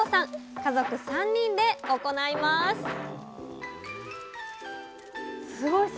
家族３人で行いますえ